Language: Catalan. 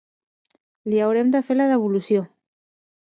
Li haurem de fer la devolució.